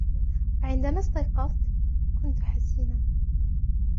وعندما استيقظت ، كنت حزينا.